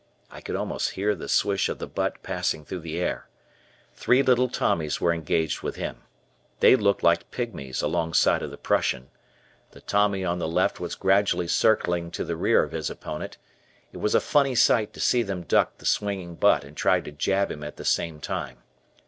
I could almost hear the swish of the butt passing through the air. Three little Tommies were engaged with him. They looked like pigmies alongside of the Prussian. The Tommy on the left was gradually circling to the rear of his opponent. It was a funny sight to see them duck the swinging butt and try to jab him at the same time.